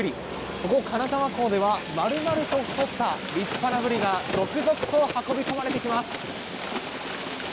ここ金沢港では丸々と太った立派なブリが続々と運び込まれてきます！